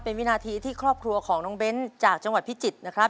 เป็นวินาทีที่ครอบครัวของน้องเบ้นจากจังหวัดพิจิตรนะครับ